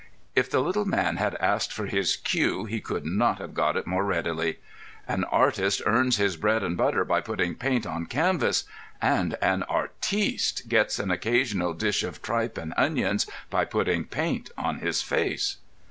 If the little man had asked for his cue, he could not have got it more readily. "An artist earns his bread and butter by putting paint on canvas, and an artiste gets an occasional dish of tripe and onions by putting paint on his face."